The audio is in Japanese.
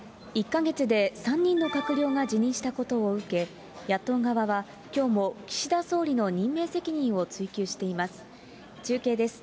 １か月で３人の閣僚が辞任したことを受け、野党側は、きょうも岸田総理の任命責任を追及しています。